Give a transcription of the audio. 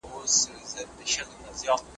زه کولای سم د کتابتون کتابونه لوستل کړم!!